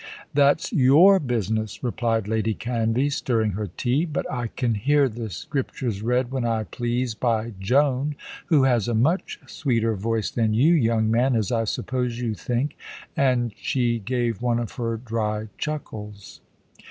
"That's your business," replied Lady Canvey, stirring her tea; "but I can hear the scriptures read when I please by Joan, who has a much sweeter voice than you, young man, as I suppose you think"; and she gave one of her dry chuckles.